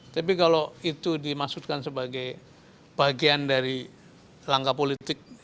tapi kalau itu dimaksudkan sebagai bagian dari langkah politik